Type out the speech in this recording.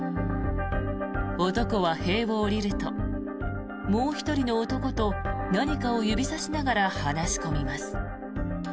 男は塀を下りるともう１人の男と何かを指さしながら話し込みます。